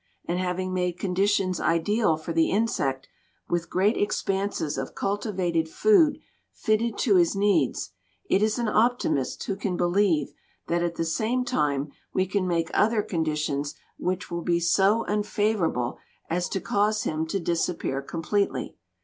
And having made conditions ideal for the insect, with great expanses of cultivated food fitted to his needs, it is an optimist who can believe that at the same time we can make other conditions which will be so unfavorable as to cause him to disappear completely.